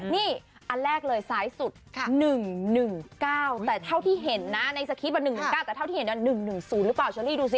นี่อันแรกเลยซ้ายสุด๑๑๙แต่เท่าที่เห็นนะในสคริปต์๑๑๙แต่เท่าที่เห็น๑๑๐หรือเปล่าเชอรี่ดูสิ